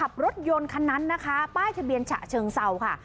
บ้ายทะเบียนฉะเชิงเศร้าค่ะ